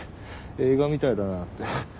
映画みたいだなって。